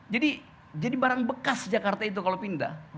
jadi jadi barang bekas jakarta itu kalau pindah